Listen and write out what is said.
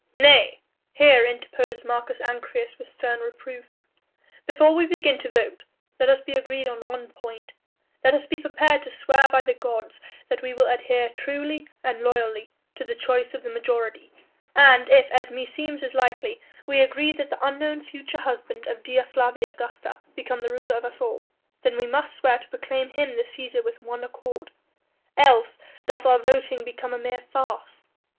"Nay," here interposed Marcus Ancyrus with stern reproof, "before we begin to vote let us be agreed on one point: let us be prepared to swear by the gods that we will adhere truly and loyally to the choice of the majority and if, as meseems is likely, we agree that the unknown future husband of Dea Flavia Augusta become the ruler of us all, then must we swear to proclaim him the Cæsar with one accord, else doth our voting become a mere farce.